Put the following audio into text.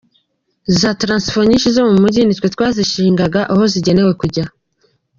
Za transfo nyinshi zo mu mujyi nitwe twazishingaga aho zigenewe kujya.